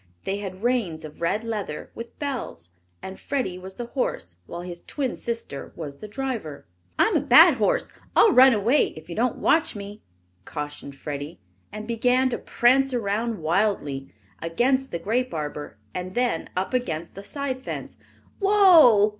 They had reins of red leather, with bells, and Freddie was the horse while his twin sister was the driver. "I'm a bad horse, I'll run away if you don't watch me," cautioned Freddie, and began to prance around wildly, against the grape arbor and then up against the side fence. "Whoa!